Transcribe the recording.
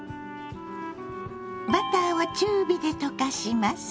バターを中火で溶かします。